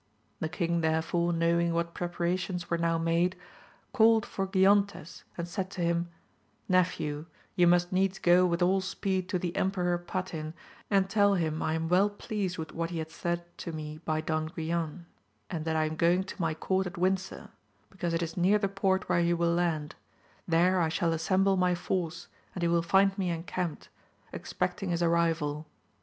The king therefore knowing what preparations were now made, called for Giontes and said to him, Nephew you must needs go with all speed to the Emperor Patin, and tell him I am well pleased with what he hath said to me by Don Guilan, and that I am going to my court at Windsor, because it is near the port where he will land : there I shall assemble my force, and he wiU find me encamped, expecting his arrival.